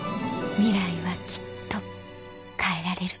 ミライはきっと変えられる